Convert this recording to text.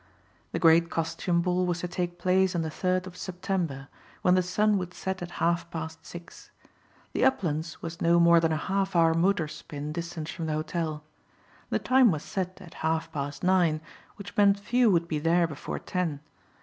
The great costume ball was to take place on the third of September, when the sun would set at half past six. The Uplands was no more than a half hour motor spin distant from the hotel. The time set was half past nine, which meant few would be there before ten.